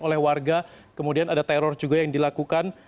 oleh warga kemudian ada teror juga yang dilakukan